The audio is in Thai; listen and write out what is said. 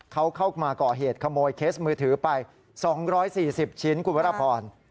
เขาเข้ามาก่อเหตุขโมยเคสมือถือไป๒๔๐ชิ้นคุณวรพร